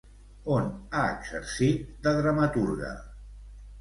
On ha exercit de dramaturga?